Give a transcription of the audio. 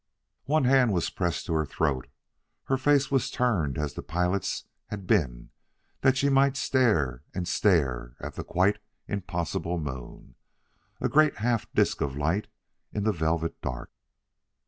One hand was pressed to her throat; her face was turned as the pilot's had been that she might stare and stare at a quite impossible moon a great half disk of light in the velvet dark.